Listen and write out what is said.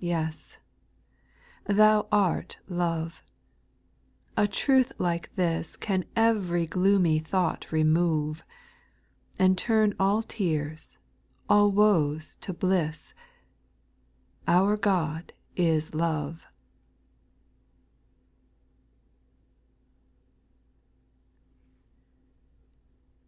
4. Yes I Thou art love ; a truth like this Can every gloomy thought remove. And turn all tears, all woes to bliss ;— Our God is love.